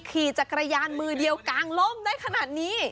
ขี่จักรยานมือเดียวกางล่มได้ขนาดนี้